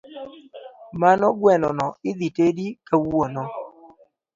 Mano guenono idhi tedi kawuono